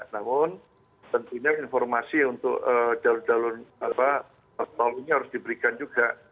namun tentunya informasi untuk jalur jalurnya harus diberikan juga